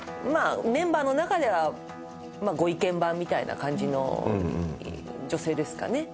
メンバーの中ではまあご意見番みたいな感じの女性ですかね。